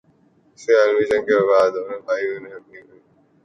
وسری عالمی جنگ کے بعد دونوں بھائیوں نے اپنی علیحدہ علیحدہ کمپنیاں قائم کیں-